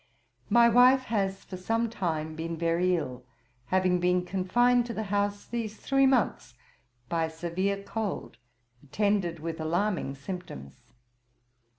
My wife has for some time been very ill, having been confined to the house these three months by a severe cold, attended with alarming symptoms.